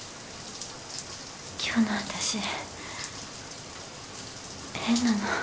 今日の私変なの。